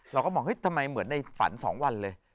เราก็มองเฮ้ทำไมเหมือนในฝัน๒วันเลย